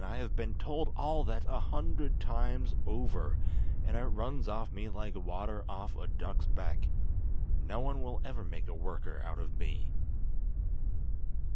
I have been told all that a hundred times over; and it runs off me like water off a duck's back. No one will ever make a worker out of me."